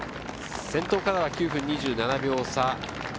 先頭からは９分２７秒差。